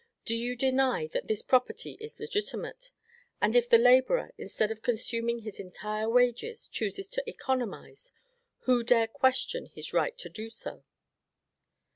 Do you deny that this property is legitimate? And if the laborer, instead of consuming his entire wages, chooses to economize, who dare question his right to do so?"